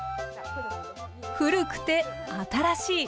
古くて新しい。